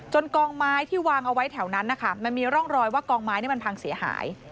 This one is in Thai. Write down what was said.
กองไม้ที่วางเอาไว้แถวนั้นนะคะมันมีร่องรอยว่ากองไม้มันพังเสียหาย